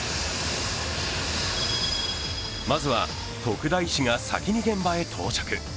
まずは徳田医師が先に現場へ到着。